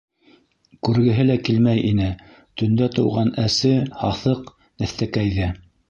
Күргеһе лә килмәй ине төндә тыуған әсе, һаҫыҡ нәҫтәкәйҙе.